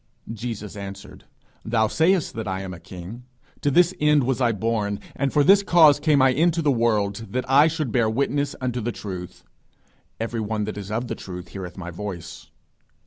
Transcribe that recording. Jesus answered, Thou sayest that I am a king! To this end was I born, and for this cause came I into the world, that I should bear witness unto the truth: every one that is of the truth heareth my voice.